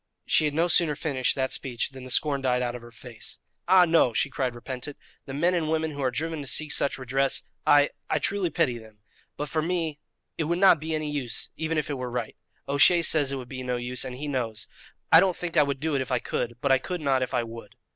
She had no sooner finished that speech than the scorn died out of her face: "Ah, no," she cried repentant; "the men and women who are driven to seek such redress I I truly pity them but for me it would not be any use even if it were right. O'Shea says it would be no use, and he knows. I don't think I would do it if I could; but I could not if I would."